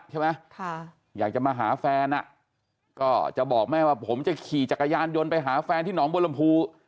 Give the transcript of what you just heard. ใช่ไหมอยากจะมาหาแฟนอ่ะก็จะบอกแม่ว่าผมจะขี่จักรยานยนต์ไปหาแฟนที่หนองบัวลำพู